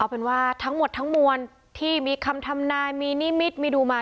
เป็นว่าทั้งหมดทั้งมวลที่มีคำทำนายมีนิมิตรมีดูมา